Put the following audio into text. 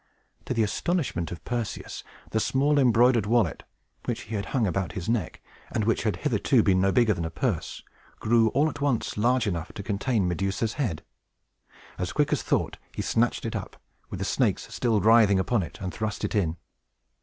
To the astonishment of Perseus, the small embroidered wallet, which he had hung about his neck, and which had hitherto been no bigger than a purse, grew all at once large enough to contain Medusa's head. As quick as thought, he snatched it up, with the snakes still writhing upon it, and thrust it in.